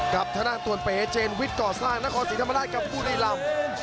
กับท่านท่านตัวเป๋เจนวิทย์ก่อสร้างนครสีธรรมดากับภูติลำ